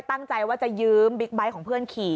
ตั้งใจว่าจะยืมบิ๊กไบท์ของเพื่อนขี่